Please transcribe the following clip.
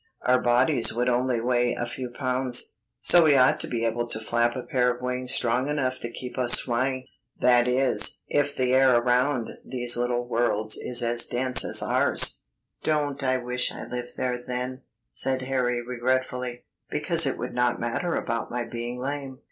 Our bodies would only weigh a few pounds, so we ought to be able to flap a pair of wings strong enough to keep us flying. That is, if the air around these little worlds is as dense as ours." "Don't I wish I lived there, then," said Harry regretfully, "because it would not matter about my being lame.